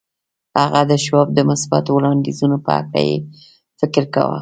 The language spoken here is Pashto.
هغه د شواب د مثبتو وړانديزونو په هکله يې فکر کاوه.